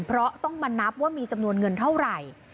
เพราะต้องมานับว่ามีจำนวนเงินเท่าไหร่